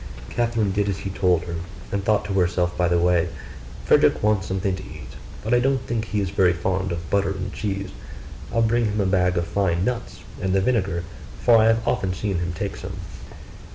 Catherine did as he told her, and thought to herself by the way, 'Frederick wants something to eat; but I don't think he is very fond of butter and cheese: I'll bring him a bag of fine nuts, and the vinegar, for I have often seen him take some.